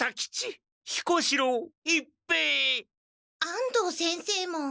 安藤先生も。